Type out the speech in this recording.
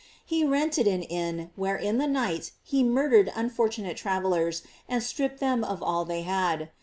He rented an inn, where in the night he murdered unfortunate travellers and stripped them of all they had.